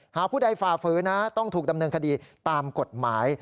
ผู้ใดฝ่าฝืนนะต้องถูกดำเนินคดีตามกฎหมาย